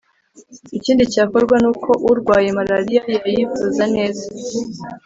ikindi cyakorwa ni uko urwaye marariya yayivuza neza.